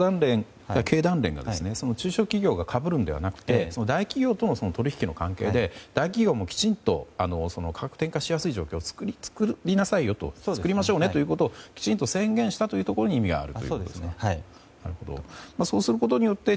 経団連が中小企業が被るのではなくて大企業との取引の関係で大企業もきちんと価格転嫁しやすい状況を作りましょうねということをきちんと宣言したことに意味があると。